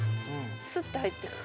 スッて入ってく。